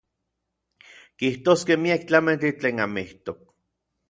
Kijtoskej miak tlamantli tlen amijtok.